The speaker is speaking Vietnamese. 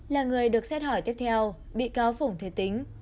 là người được xét hỏi tiếp theo bị cáo phùng thế tính